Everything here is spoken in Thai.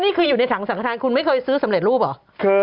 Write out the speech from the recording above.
อยู่ในถังสังฆฐานคุณไม่เคยซื้อสำเร็จรูปเหรอ